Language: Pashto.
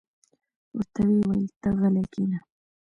ورته ویې ویل: ته غلې کېنه.